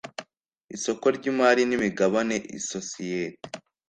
isoko ry imari n imigabane isosiyete